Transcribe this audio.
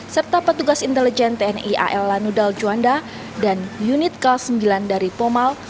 serta petugas intelijen tni al lanudal juanda dan unit k sembilan dari pomal